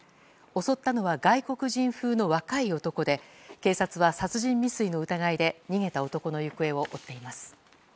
襲ったのは外国人風の若い男で警察は殺人未遂の疑いで逃げた男の行方を追っています。